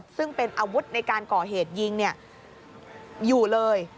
ซึ่งเป็นอาวุธในการก่อเหตุยิงอยู่เลย